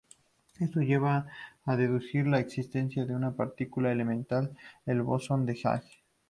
Esto lleva a deducir la existencia de una partícula elemental, el bosón de Higgs.